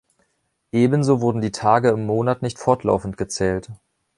Ebenso wurden die Tage im Monat nicht fortlaufend gezählt.